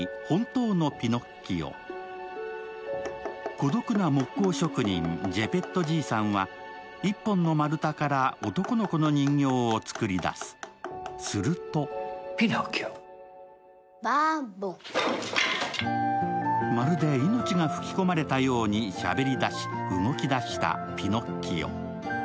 孤独な木工職人、ジェペット爺さんは一本の丸太から男の子の人形を作り出す、するとまるで、命が吹き込まれたようにしゃべり出し、動き出したピノッキオ。